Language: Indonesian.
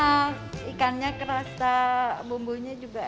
ya enak ikannya kerasa bumbunya juga enak